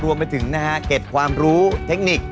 รวมไปถึงนะฮะเก็บความรู้เทคนิค